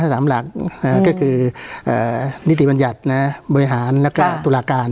สามหลักเอ่อก็คือเอ่อนิติบัญญัตินะบริหารแล้วก็ตุลาการ